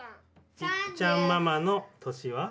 いっちゃんママの年は？